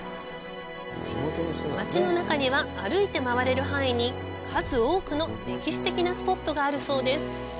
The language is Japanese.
街の中には、歩いて回れる範囲に数多くの歴史的なスポットがあるそうです。